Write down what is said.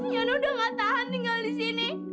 yana udah nggak tahan tinggal di sini